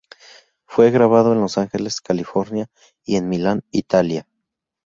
Fue grabado en Los Ángeles, California y en Milán, Italia.